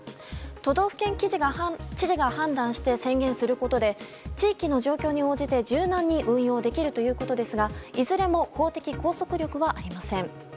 都道府県知事が判断して宣言することで地域の状況に応じて柔軟に運用できるということですがいずれも法的拘束力はありません。